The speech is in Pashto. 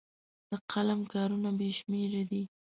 د قلم کارونه بې شمېره دي.